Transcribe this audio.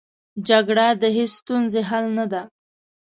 جګړه د هېڅ ستونزې حل نه ده